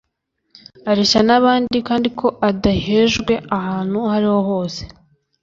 areshya n'abandi kandi ko adahejwe ahantu aho ari ho hose